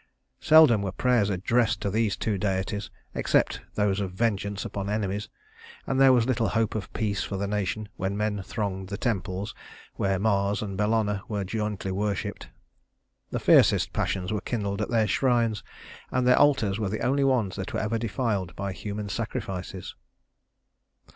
Seldom were prayers addressed to these two deities, except those of vengeance upon enemies; and there was little hope of peace for the nation when men thronged the temples where Mars and Bellona were jointly worshiped. The fiercest passions were kindled at their shrines, and their altars were the only ones that were ever defiled by human sacrifices.